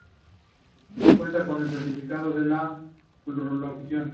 Cuenta con un certificado de locución.